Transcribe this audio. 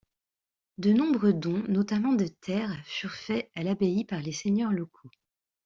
De nombreux dons, notamment de terres, furent faits à l’abbaye par les seigneurs locaux.